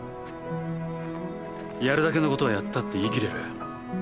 やるだけのことはやったって言いきれる。